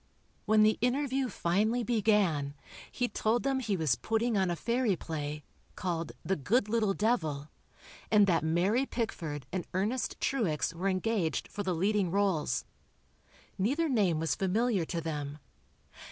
When the interview finally began, he told them he was putting on a fairy play, called "The Good Little Devil," and that Mary Pickford and Ernest Truex were engaged for the leading rôles. Neither name was familiar to them.